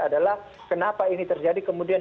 adalah kenapa ini terjadi kemudian